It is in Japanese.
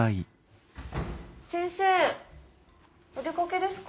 先生お出かけですか？